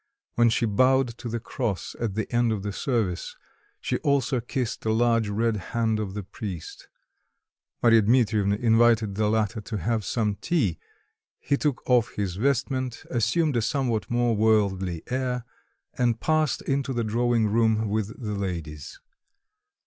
When she bowed to the cross at the end of the service, she also kissed the large red hand of the priest. Marya Dmitrievna invited the latter to have some tea; he took off his vestment, assumed a somewhat more worldly air, and passed into the drawing room with the ladies.